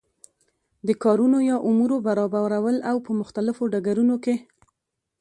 د کارونو یا امورو برابرول او په مختلفو ډګرونو کی